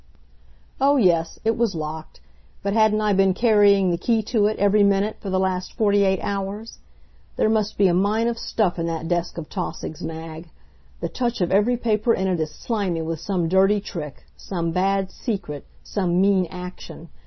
Oh, yes, it was locked. But hadn't I been carrying the key to it every minute for the last forty eight hours? There must be a mine of stuff in that desk of Tausig's, Mag. The touch of every paper in it is slimy with some dirty trick, some bad secret, some mean action.